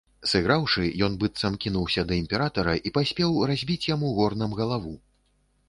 Сыграўшы, ён, быццам, кінуўся да імператара і паспеў разбіць яму горнам галаву.